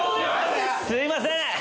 すいません！